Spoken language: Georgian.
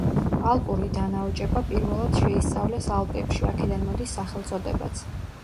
ალპური დანაოჭება პირველად შეისწავლეს ალპებში, აქედან მოდის სახელწოდებაც.